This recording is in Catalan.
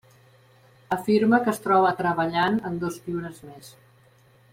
Afirma que es troba treballant en dos llibres més.